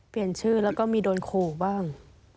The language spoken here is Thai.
เปลี่ยนชื่อแล้วก็มีโดนขู่บ้าง